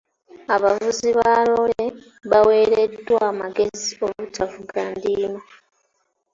Abavuzi ba loole baaweereddwa amagezi obutavuga ndiima.